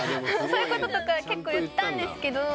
そういうこととか結構言ったんですけど。